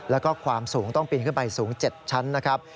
แล้วก็ความสูงต้องปีนขึ้นไปสูง๗ชั้นนะครับ